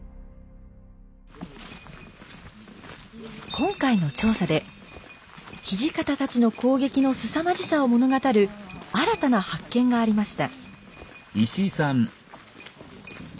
今回の調査で土方たちの攻撃のすさまじさを物語る新たな発見がありました。